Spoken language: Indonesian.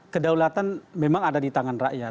kedaulatan memang ada di tangan rakyat